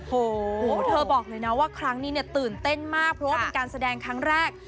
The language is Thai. โอ้โหเธอบอกเลยนะว่าครั้งนี้เนี่ยตื่นเต้นมากเพราะว่าเป็นการแสดงครั้งแรก